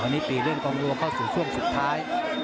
อันนี้เราก็เข้าสู่ส่วนสุดท้าย